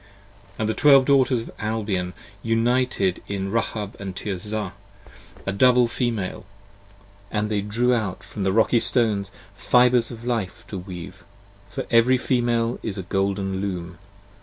And the Twelve Daughters of Albion united in Rahab & Tirzah, A Double Female: and they drew out from the Rocky Stones Fibres of Life to Weave, for every Female is a Golden Loom.